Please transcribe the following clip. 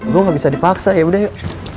gue gak bisa dipaksa yaudah yuk